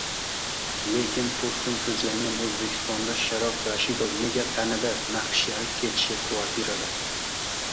Lekin Tursun sijlangan O'zʙistonda Sharof Rashidov nega panada naqshlari ketishi Kvartirada?